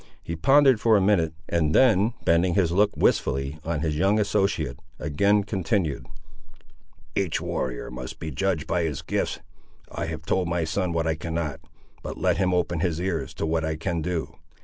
He pondered for a minute, and then bending his look wistfully on his young associate, again continued— "Each warrior must be judged by his gifts. I have told my son what I cannot, but let him open his ears to what I can do.